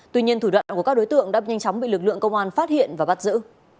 tuy nhiên thủ đoạn của các đối tượng đã nhanh chóng bị lực lượng công an phát hiện và bắt giữ